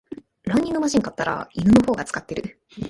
ランニングマシン買ったら犬の方が使ってる